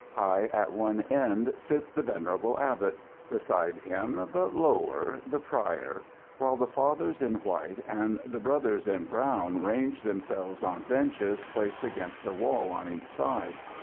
High at one end sits the venerable abbot; beside him, but lower, the prior; while the fathers in white and the brothers in brown range themselves on benches placed against the wall on each side.